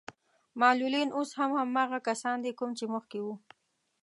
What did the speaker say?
معلولين اوس هم هماغه کسان دي کوم چې مخکې وو.